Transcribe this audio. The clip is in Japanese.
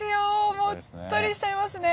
もううっとりしちゃいますね。